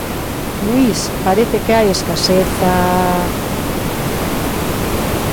Luís parece que hai escaseza...